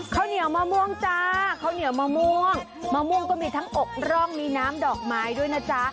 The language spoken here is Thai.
ข้าวเหนียวมะม่วงจ้าข้าวเหนียวมะม่วงมะม่วงก็มีทั้งอกร่องมีน้ำดอกไม้ด้วยนะจ๊ะ